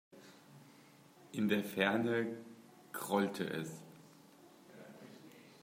In der Ferne grollte es.